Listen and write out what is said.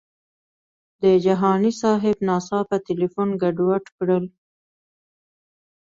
د جهاني صاحب ناڅاپه تیلفون ګډوډ کړل.